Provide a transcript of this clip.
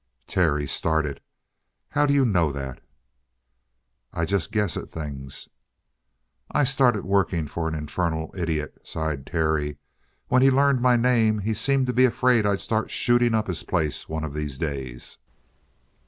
Terry started. "How do you know that?" "I just guess at things." "I started working for an infernal idiot," sighed Terry. "When he learned my name, he seemed to be afraid I'd start shooting up his place one of these days."